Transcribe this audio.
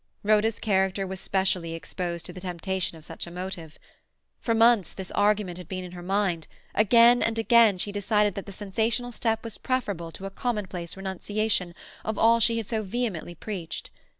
Rhoda's character was specially exposed to the temptation of such a motive. For months this argument had been in her mind, again and again she decided that the sensational step was preferable to a commonplace renunciation of all she had so vehemently preached.